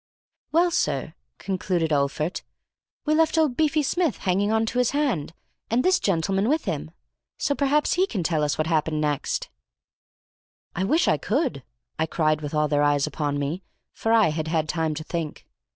"Well, sir," concluded Olphert, "we left old Beefy Smith hanging on to his hand, and this gentleman with him, so perhaps he can tell us what happened next?" "I wish I could," I cried with all their eyes upon me, for I had had time to think.